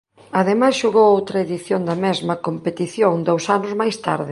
Ademais xogou outra edición da mesma competición dous anos máis tarde.